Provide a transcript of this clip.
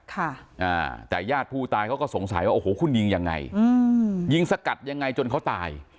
แต่ญาติผู้ตายเขาสงสัยว่าโอโหคุณยิงยังไงยิงสกัดยังไงจนเขาตาย